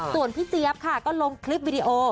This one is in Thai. ส่วนพี่เจี๊ยบค่ะก็ลงคลิปวิดีโอ